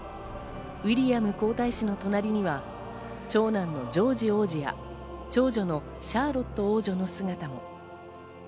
ウィリアム皇太子の隣には長男のジョージ王子や、長女のシャーロット王女の姿も。